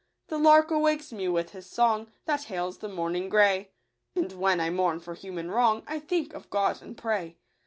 The lark awakes me with his song, That hails the morning grey ; And when I mourn for human wrong, I think of God, and pray.